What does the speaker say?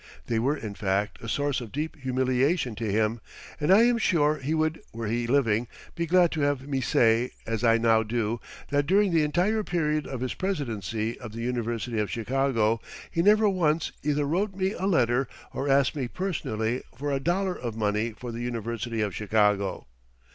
They were in fact a source of deep humiliation to him, and I am sure he would, were he living, be glad to have me say, as I now do, that during the entire period of his presidency of the University of Chicago, he never once either wrote me a letter or asked me personally for a dollar of money for the University of Chicago.